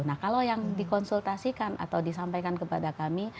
nah kalau yang dikonsultasikan atau disampaikan kepada kami